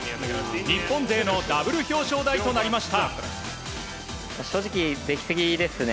日本勢のダブル表彰台となりました。